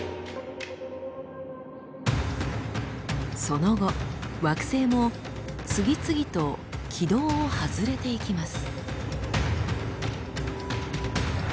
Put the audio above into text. その後惑星も次々と軌道を外れていきます。